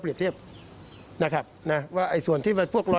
เขามีการตัดเอาเล็บไปตรวจ